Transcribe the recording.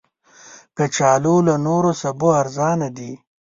کچالو له نورو سبو ارزانه دي